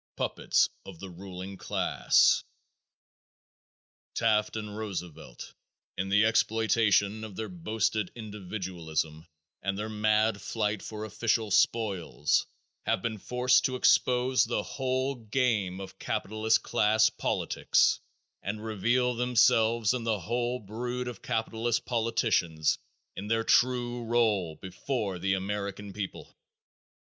Puppets of the Ruling Class. Taft and Roosevelt in the exploitation of their boasted individualism and their mad fight for official spoils have been forced to expose the whole game of capitalist class politics and reveal themselves and the whole brood of capitalist politicians in their true role before the American people.